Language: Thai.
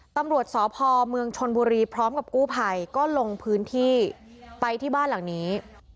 ตำรวจสพเมืองชนบุรีพร้อมกับกู้ภัยก็ลงพื้นที่ไปที่บ้านหลังนี้